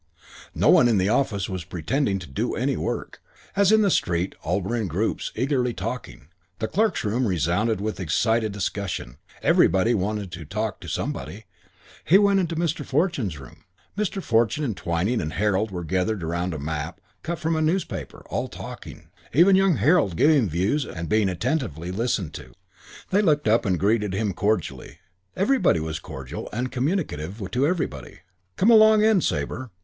IV No one in the office was pretending to do any work. As in the street, all were in groups eagerly talking. The clerks' room resounded with excited discussion. Everybody wanted to talk to somebody. He went into Mr. Fortune's room. Mr. Fortune and Twyning and Harold were gathered round a map cut from a newspaper, all talking; even young Harold giving views and being attentively listened to. They looked up and greeted him cordially. Everybody was cordial and communicative to everybody. "Come along in, Sabre."